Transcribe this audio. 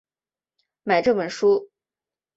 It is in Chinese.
买这本书